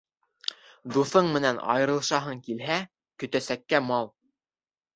Дуҫың менән айырылышаһың килһә, көтәсәккә мал